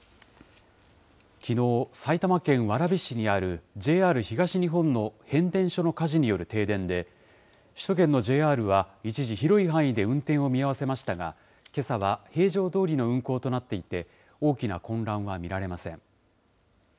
きのう、埼玉県蕨市にあるＪＲ東日本の変電所の火事による停電で、首都圏のＪＲは一時、広い範囲で運転を見合わせましたが、けさは平常どおりの運行となっていて、大きな混乱は見られません。